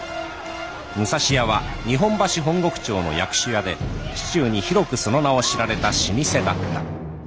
武蔵屋は日本橋本石町の薬種屋で市中に広くその名を知られた老舗だった。